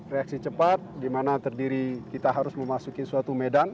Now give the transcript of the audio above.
reaksi cepat dimana terdiri kita harus memasuki suatu medan